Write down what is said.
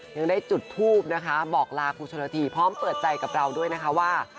ยังได้จุดทูบนะคะบอกลาครูชนละทีพร้อมเปิดใจกับเราด้วยนะคะว่า